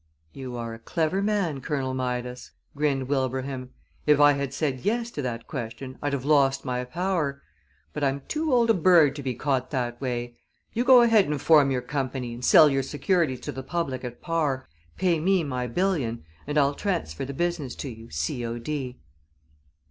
"You are a clever man, Colonel Midas," grinned Wilbraham. "If I had said 'yes' to that question I'd have lost my power. But I'm too old a bird to be caught that way. You go ahead and form your company, and sell your securities to the public at par, pay me my billion, and I'll transfer the business to you, C. O. D."